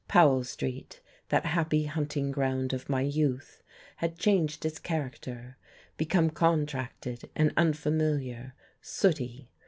Powell Street, that happy hunting ground of my youth, had changed its character, become contracted and unfamiliar, sooty.